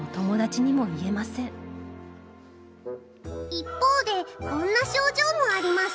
一方でこんな症状もあります。